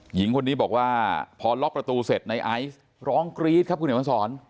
หญิงคนนี้บอกว่าพอล็อกประตูเสร็จในไอซ์ร้องกรี๊ดครับคุณเห็นมาสอน